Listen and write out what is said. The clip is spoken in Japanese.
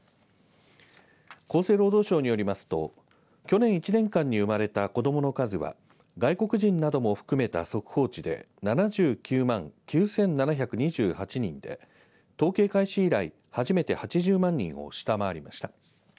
厚生労働省によりますと去年１年間に生まれた子どもの数は外国人なども含めた速報値で７９万９７２８人で統計開始以来初めて８０万人を下回りました。